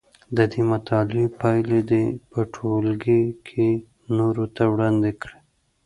د دې مطالعې پایلې دې په ټولګي کې نورو ته وړاندې کړي.